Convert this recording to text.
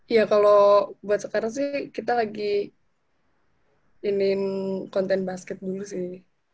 iya kalo buat sekarang sih kita lagi iniin konten basket dulu sih